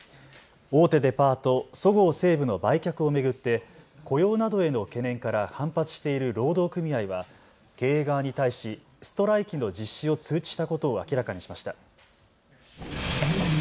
大手デパート、そごう・西武の売却を巡って雇用などへの懸念から反発している労働組合は経営側に対しストライキの実施を通知したことを明らかにしました。